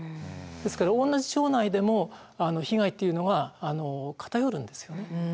ですから同じ町内でも被害っていうのは偏るんですよね。